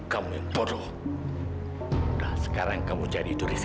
kamu yang bodoh udah sekarang kamu cari itu rizky